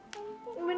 cantik sekali nan